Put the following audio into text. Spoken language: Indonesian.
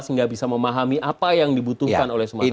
sehingga bisa memahami apa yang dibutuhkan oleh sumatera utara